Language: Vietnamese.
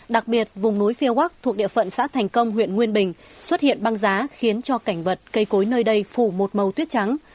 đặc biệt vùng núi phía wag thuộc địa phận xã thành công huyện nguyên bình xuất hiện băng giá khiến cho cảnh vật cây cối nơi đây phủ một màu tuyết trắng